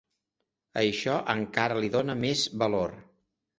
Això encara li dona més valor.